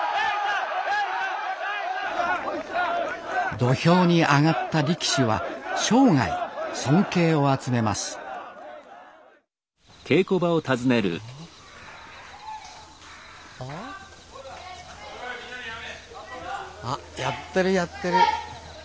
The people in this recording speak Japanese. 土俵に上がった力士は生涯尊敬を集めますあやってるやってる。